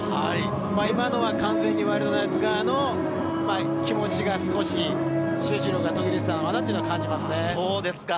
今の完全にワイルドナイツ側の気持ちが集中力が途切れていたのかなと感じます。